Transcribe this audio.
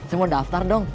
saya mau daftar dong